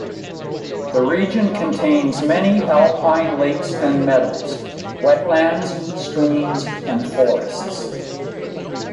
The region contains many alpine lakes and meadows, wetlands, streams, and forests.